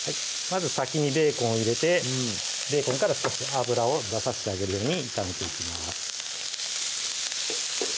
まず先にベーコンを入れてベーコンから少し脂を出さしてあげるように炒めていきます